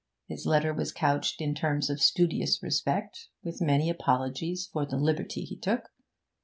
His letter was couched in terms of studious respect, with many apologies for the liberty he took.